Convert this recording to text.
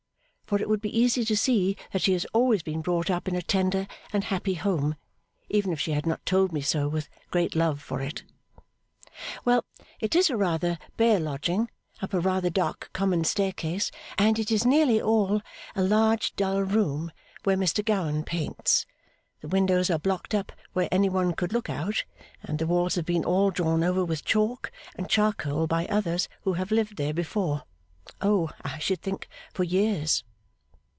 For it would be easy to see that she has always been brought up in a tender and happy home, even if she had not told me so with great love for it. Well, it is a rather bare lodging up a rather dark common staircase, and it is nearly all a large dull room, where Mr Gowan paints. The windows are blocked up where any one could look out, and the walls have been all drawn over with chalk and charcoal by others who have lived there before oh, I should think, for years!